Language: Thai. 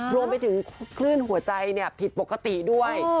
รวมไปถึงคลื่นหัวใจผิดปกติด้วย